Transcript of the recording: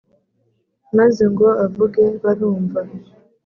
maze ngo avuge barumva